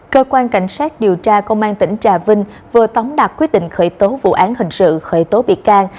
cơ quan cảnh sát điều tra công an tỉnh trà vinh vừa tống đạt quyết định khởi tố vụ án hình sự khởi tố bị can